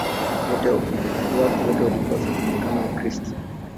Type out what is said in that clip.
Watu wote walipaswa kuonekana Wakristo.